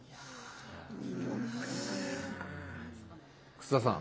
楠田さん。